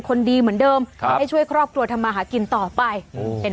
เบิร์ตลมเสียโอ้โหเบิร์ตลมเสียโอ้โห